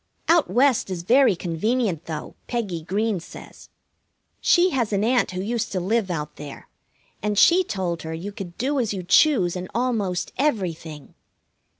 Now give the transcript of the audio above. Out West is very convenient, though, Peggy Green says. She has an aunt who used to live out there, and she told her you could do as you choose in almost everything.